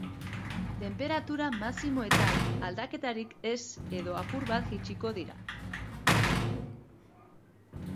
Tenperatura maximoetan, aldaketarik ez edo apur bat jaitsiko dira.